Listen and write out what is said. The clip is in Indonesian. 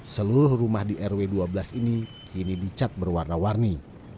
seluruh rumah di rw dua belas ini kini dicat berwarna warni